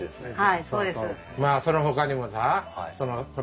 はい。